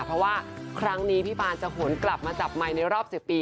เพราะว่าครั้งนี้พี่ปานจะหวนกลับมาจับไมค์ในรอบ๑๐ปี